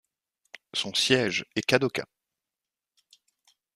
Son siège est Kadoka.